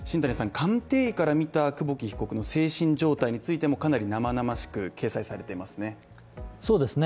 鑑定から見た久保木被告の精神状態についてもかなり生々しく掲載されてますね。